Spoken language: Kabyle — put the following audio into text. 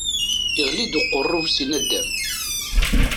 Iɣli-d uqerru-w si naddam.